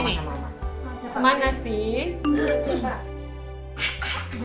masuk koper dia